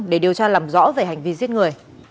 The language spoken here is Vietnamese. để điều tra làm rõ về hành vi giết người